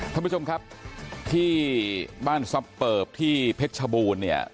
ท่านผู้ชมครับที่บ้านซับเปิบที่เพชรชบูรณ์เนี่ย